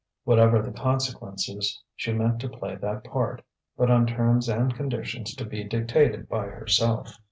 Whatever the consequences she meant to play that part but on terms and conditions to be dictated by herself.